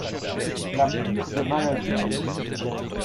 La pire des maladies.